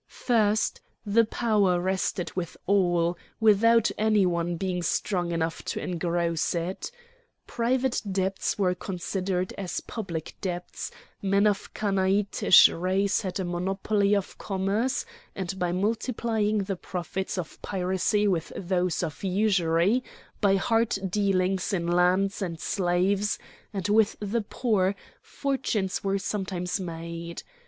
First, the power rested with all, without any one being strong enough to engross it. Private debts were considered as public debts, men of Chanaanitish race had a monopoly of commerce, and by multiplying the profits of piracy with those of usury, by hard dealings in lands and slaves and with the poor, fortunes were sometimes made.